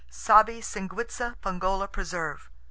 Sabi Singwitza Pongola Preserve.